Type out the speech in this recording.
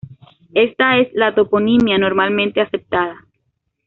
Esta es la toponimia normalmente aceptada.